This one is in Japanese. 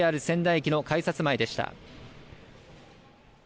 ＪＲ仙台駅の改札前でした。